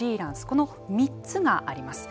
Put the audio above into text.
この３つがあります。